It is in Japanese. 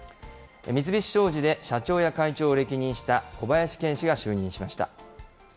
三菱商事で社長や会長を歴任した小林健氏が就任しました。